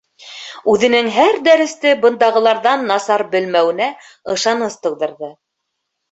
Үҙенең һәр дәресте бындағыларҙан насар белмәүенә ышаныс тыуҙырҙы.